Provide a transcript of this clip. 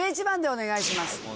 １１番でお願いします。